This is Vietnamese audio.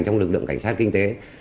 trong lực lượng cảnh sát kinh tế